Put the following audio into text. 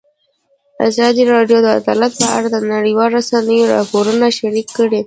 ازادي راډیو د عدالت په اړه د نړیوالو رسنیو راپورونه شریک کړي.